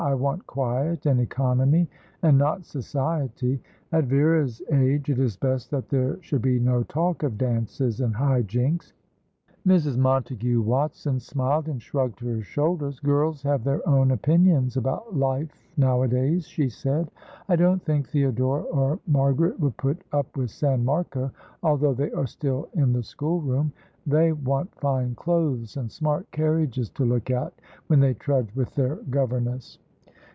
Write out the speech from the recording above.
"I want quiet and economy, and not society. At Vera's age it is best that there should be no talk of dances and high jinks." Mrs. Montagu Watson smiled, and shrugged her shoulders. "Girls have their own opinions about life nowadays," she said. "I don't think Theodora or Margaret would put up with San Marco, although they are still in the school room. They want fine clothes and smart carriages to look at, when they trudge with their governess."